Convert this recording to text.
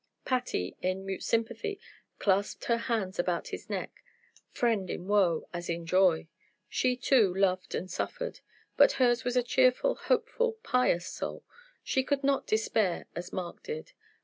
Patty, in mute sympathy, clasped her arms about his neck, friend in woe as in joy. She, too, loved and suffered. But hers was a cheerful, hopeful, pious soul: she could not despair as Mark did.